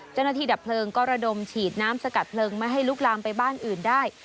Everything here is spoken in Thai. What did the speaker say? ดับเพลิงก็ระดมฉีดน้ำสกัดเพลิงไม่ให้ลุกลามไปบ้านอื่นได้